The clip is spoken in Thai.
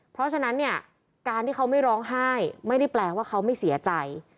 เพราะฉะนั้นเนี่ยการที่เขาไม่ร้องไห้ไม่ได้แปลว่าเขาไม่เสียใจ